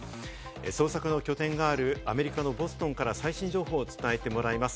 捜索の拠点があるアメリカのボストンから最新情報を伝えてもらいます。